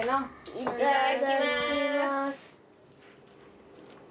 いただきます。